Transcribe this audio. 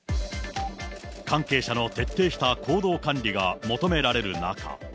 関係者の徹底した行動管理が求められる中。